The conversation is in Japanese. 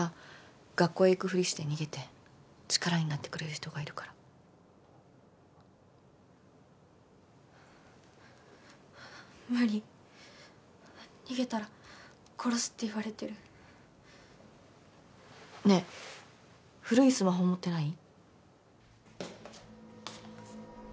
学校へ行くフリして逃げて力になってくれる人がいるから無理逃げたら殺すって言われてるねえ古いスマホ持ってない？